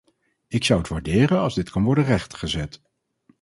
Ik zou het waarderen als dit kan worden rechtgezet.